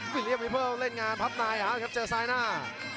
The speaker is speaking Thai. วิลเลียมวิพเปิ้ลเล่นงานพับนายช่องเข้าและเจอซ้ายหน้า